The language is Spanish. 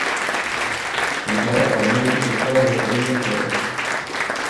Tras entrar al convento su estado de salud empeoró.